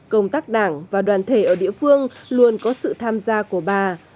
công tác đảng và đoàn thể ở địa phương luôn có sự tham gia của bà